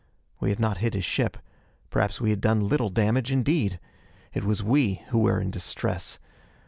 We had not hit his ship; perhaps we had done little damage indeed! It was we who were in distress.